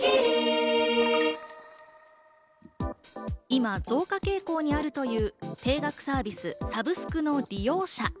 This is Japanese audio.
今、増加傾向にあるという定額サービス、サブスクの利用者。